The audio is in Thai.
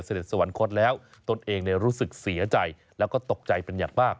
สวรรคตแล้วตนเองรู้สึกเสียใจแล้วก็ตกใจเป็นอย่างมาก